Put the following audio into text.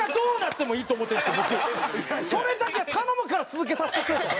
それだけは頼むから続けさせてくれと！